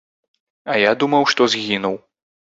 А я думаў, што згінуў.